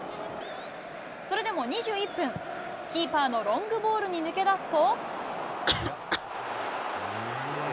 それでも２１分、キーパーのロングボールに抜け出すと。